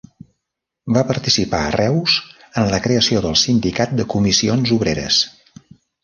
Va participar a Reus en la creació del sindicat de Comissions Obreres.